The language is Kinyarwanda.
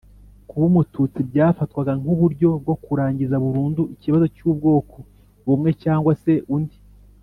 kuba umututsi byafatwaga nk uburyo bwo kurangiza burundu ikibazo cy’ ubwoko bumwe cyangwa se undi